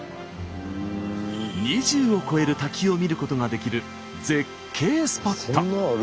２０を超える滝を見ることができる絶景スポット！